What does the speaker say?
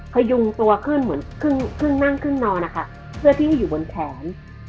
พยุงตัวขึ้นเหมือนครึ่งนั่งขึ้นนอนนะคะเพื่อที่ให้อยู่บนแขน